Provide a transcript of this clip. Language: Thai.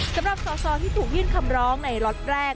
สำหรับสอสอที่ถูกยื่นคำร้องในล็อตแรก